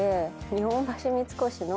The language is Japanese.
日本橋三越の。